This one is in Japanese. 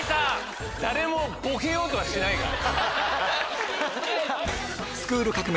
誰もボケようとはしないから。